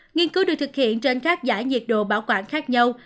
nghiên cứu được thực hiện trên các giải nhiệt độ bảo quản khác nhau